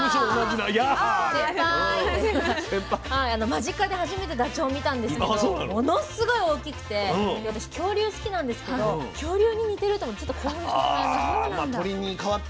間近で初めてダチョウを見たんですけどものすごい大きくて私恐竜好きなんですけど恐竜に似てると思ってちょっと興奮してしまいました。